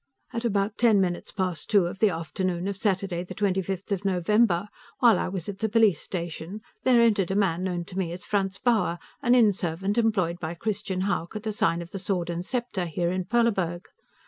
At about ten minutes past two of the afternoon of Saturday, 25 November, while I was at the police station, there entered a man known to me as Franz Bauer, an inn servant employed by Christian Hauck, at the sign of the Sword & Scepter, here in Perleburg.